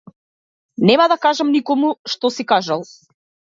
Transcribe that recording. Нема да кажам никому што си кажал.